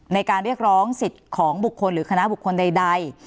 ในการเรียกร้องสิทธิ์ของบุคคลหรือคณะบุคคลใด